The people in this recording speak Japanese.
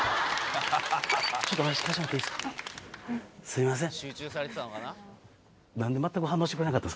すいません。